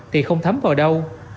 thì không thấm vào đâu